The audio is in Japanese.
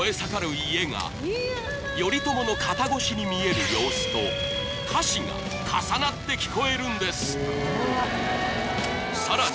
家が頼朝の肩越しに見える様子と歌詞が重なって聞こえるんですさらに